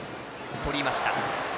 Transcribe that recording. とりました。